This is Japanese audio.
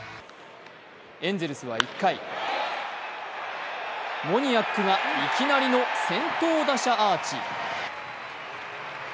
エンゼルスは１回モニアックがいきなりの先頭打者アーチ。